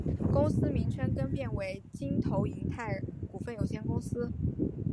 公司名称变更为京投银泰股份有限公司。